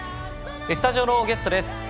スタジオのゲストです。